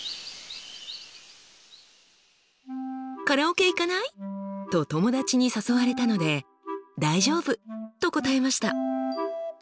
「カラオケ行かない？」と友達に誘われたので「大丈夫」と答えました。